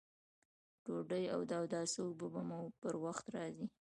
ډوډۍ او د اوداسه اوبه به مو پر وخت راځي!